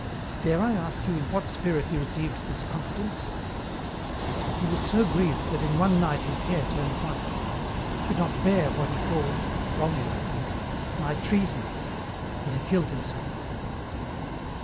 "Dare I ask you in what spirit he received this confidence?" "He was so grieved that in one night his hair turned white. He could not bear what he called wrongly, I think my treason, and he killed himself."